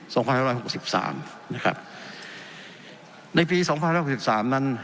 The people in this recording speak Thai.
สองพันห้าร้อยหกสิบสามนะครับในปีสองพันรกหกสิบสามนั้น